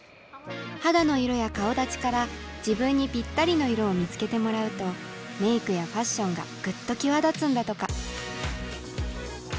肌の色や顔だちから自分にぴったりの色を見つけてもらうとメークやファッションがぐっと際立つんだとか。